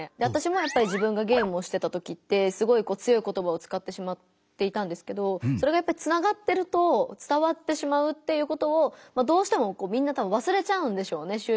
わたしもやっぱり自分がゲームをしてた時ってすごいこう強い言葉をつかってしまっていたんですけどそれがやっぱりつながってると伝わってしまうっていうことをどうしてもこうみんなたぶんわすれちゃうんでしょうね